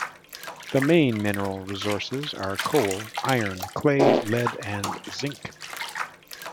The main mineral resources are coal, iron, clay, lead and zinc.